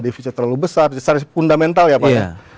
defisit terlalu besar secara fundamental ya pak